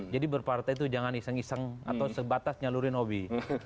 jadi berpartai itu jangan iseng iseng atau sebatas nyalurin hobi